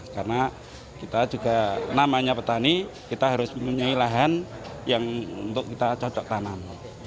karena kita juga namanya petani kita harus memiliki lahan yang untuk kita cocok tanam